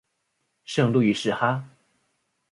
圣路易士哈！